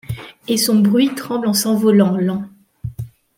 Et son bruit -tremble en s'envolant Lent.